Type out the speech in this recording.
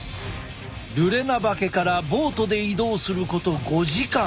ルレナバケからボートで移動すること５時間。